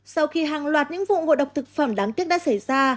sau khi hàng loạt những vụ ngộ độc thực phẩm đáng tiếc đã xảy ra